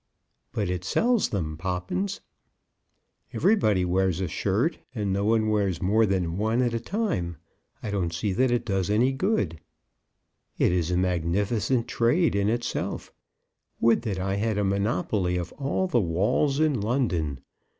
"But it sells them, Poppins." "Everybody wears a shirt, and no one wears more than one at a time. I don't see that it does any good." "It is a magnificent trade in itself. Would that I had a monopoly of all the walls in London!